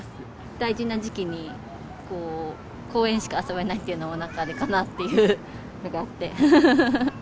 大事な時期に、公園しか遊べないというのもなんかあれかなっていうのがあって。